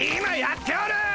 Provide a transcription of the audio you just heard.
今やっておる！